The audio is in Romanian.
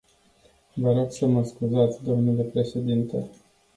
Vă rog să mă scuzați, dle președinte.